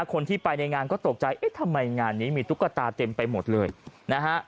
คนที่ไปในงานก็ตกใจเอ๊ะทำไมงานนี้มีตุ๊กตาเต็มไปหมดเลยนะฮะ